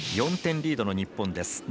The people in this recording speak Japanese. ４点リードの日本です。